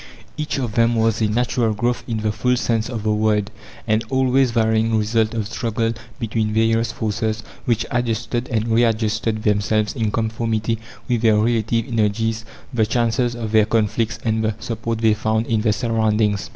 Each of them was a natural growth in the full sense of the word an always varying result of struggle between various forces which adjusted and re adjusted themselves in conformity with their relative energies, the chances of their conflicts, and the support they found in their surroundings.